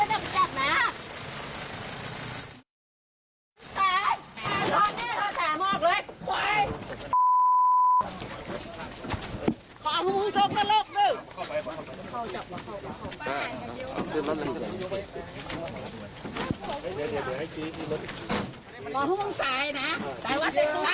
ทุกคนหุ่นน่ะ